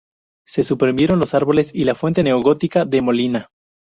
Se suprimieron los árboles y la fuente neogótica de Molina.